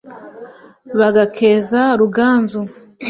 Bagakeza Ruganzu